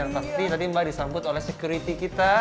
tapi tadi mbak disambut oleh security kita